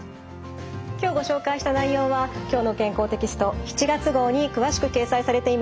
今日ご紹介した内容は「きょうの健康」テキスト７月号に詳しく掲載されています。